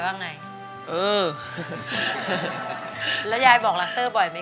อันดับนี้เป็นแบบนี้